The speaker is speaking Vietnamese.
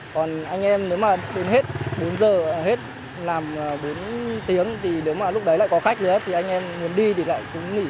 còn anh em nếu mà đến hết bốn giờ hết làm bốn tiếng thì nếu mà lúc đấy lại có khách nữa thì anh em muốn đi thì lại cứ nghỉ